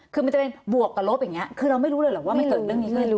คือมันจะเป็นบวกกับลบอย่างนี้คือเราไม่รู้เลยเหรอว่ามันเกิดเรื่องนี้ขึ้น